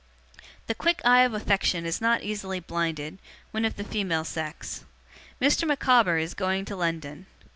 'The quick eye of affection is not easily blinded, when of the female sex. Mr. Micawber is going to London.